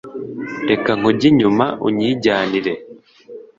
Reka nkujye inyuma unyijyanire,